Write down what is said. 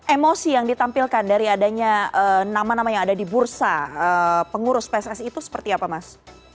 emosi yang ditampilkan dari adanya nama nama yang ada di bursa pengurus pssi itu seperti apa mas